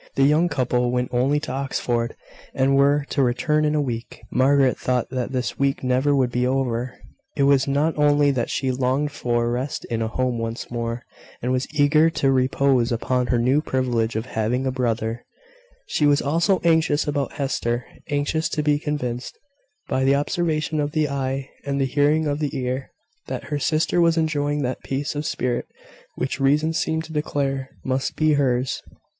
The young couple went only to Oxford, and were to return in a week. Margaret thought that this week never would be over. It was not only that she longed for rest in a home once more, and was eager to repose upon her new privilege of having a brother: she was also anxious about Hester, anxious to be convinced, by the observation of the eye and the hearing of the ear, that her sister was enjoying that peace of spirit which reason seemed to declare must be hers.